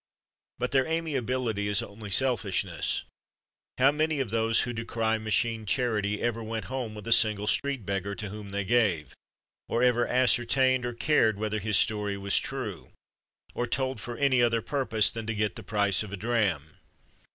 But their amiability is only selfishness. How many of those who decry "machine charity" ever went home with a single street beggar to whom they gave, or ever ascertained or cared whether his story was true, or told for any other purpose than to get the price of a dram?